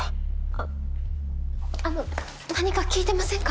あっあの何か聞いてませんか？